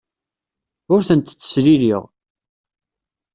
Ur tent-ttesliliɣ.